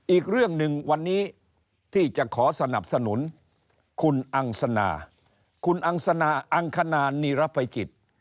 อีกเรื่องหนึ่งวันนี้ที่จะขอสนับสนุนคุณอังสนาคุณอังสนาอังคณานีรภัยจิต